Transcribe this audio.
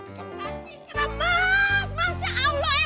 cacing kremas masya allah